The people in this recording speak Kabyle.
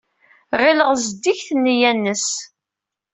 Ɣileɣ zeddiget nneyya-nnes.